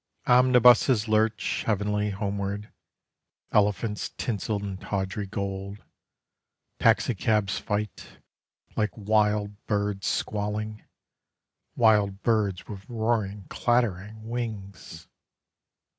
Omnibuses lurch Heavily homeward Elephants tinselled in tawdry gold: Taxicabs fight Like wild birds squalling, Wild birds with roaring, clattering wings.